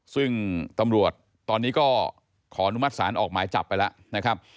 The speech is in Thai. ซึ่งตำรวจตอนนี้ก็ขออนุมัติศาลออกหมายจับไปแล้วนะครับ